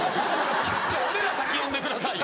俺ら先呼んでくださいよ！